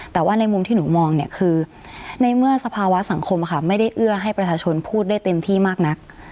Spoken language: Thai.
แต่ว่าในมุมที่หนูมองเนี่ยคือในเมื่อสภาวะสังคมไม่ได้เอื้อให้ประชาชนพูดได้เต็มที่มากนัก